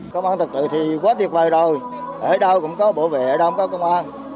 công an thật tự thì quá tuyệt vời rồi ở đâu cũng có bộ vệ ở đâu cũng có công an